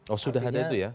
oh sudah ada itu ya